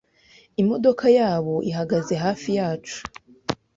Imodoka yabo ihagaze hafi yacu .